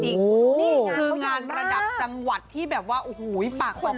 นี่คืองานระดับจังหวัดที่แบบว่าโอ้โหปากชม